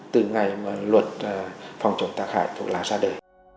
từ ngày mà luật phòng chống tác hại thuốc lá ra đời